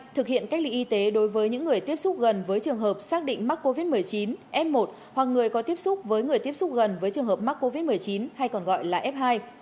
thực hiện cách ly y tế đối với những người tiếp xúc gần với trường hợp xác định mắc covid một mươi chín f một hoặc người có tiếp xúc với người tiếp xúc gần với trường hợp mắc covid một mươi chín hay còn gọi là f hai